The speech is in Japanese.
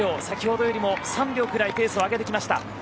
先ほどよりも３秒ぐらいペースを上げてきました。